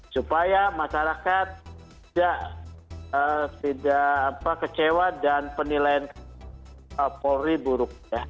supaya masyarakat tidak kecewa dan penilaian polri buruk